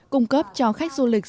cung cấp cho khách hàng khách hàng